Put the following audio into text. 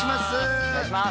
お願いします。